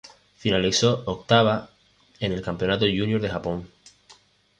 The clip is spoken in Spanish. Finalizó octava en el Campeonato Júnior de Japón.